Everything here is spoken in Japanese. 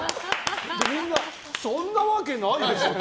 そんなわけないでしょ。